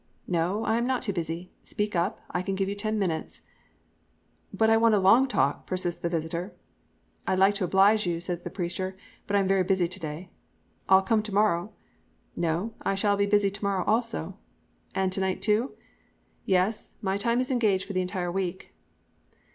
"'No, I am not too busy. Speak up. I can give you ten minutes.' "'But I want a long talk,' persists the visitor. "'I'd like to oblige you,' says the preacher, 'but I'm very busy to day.' "'I'll come to morrow.' "'No; I shall be busy to morrow also.' "'And to night, too?' "'Yes; my time is engaged for the entire week.'